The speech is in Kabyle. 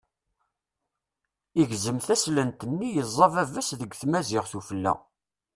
Igzem taslent-nni i yeẓẓa baba-s deg tmazirt ufella.